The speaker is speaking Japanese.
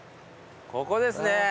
ここですね。